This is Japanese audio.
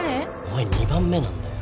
お前二番目なんだよ。